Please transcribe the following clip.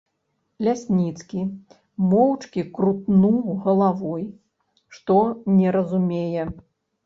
Лясніцкі моўчкі крутнуў галавой, што не разумее.